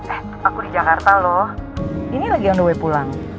eh aku di jakarta loh ini lagi on the way pulang